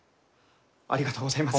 ありがとうございます。